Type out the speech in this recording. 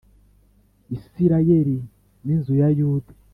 Isirayeli n inzu ya Yuda